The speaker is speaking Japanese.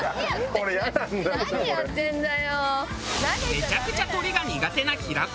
めちゃくちゃ鳥が苦手な平子。